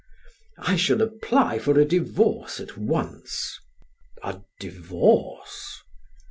"I shall apply for a divorce at once." "A divorce?"